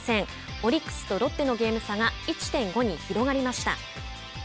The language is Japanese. オリックスとロッテのゲーム差が１．５に広がりました。